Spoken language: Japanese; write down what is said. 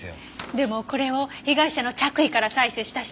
でもこれを被害者の着衣から採取した人もお手柄よ。